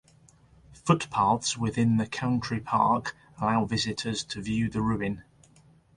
Footpaths within the country park allow visitors to view the ruin.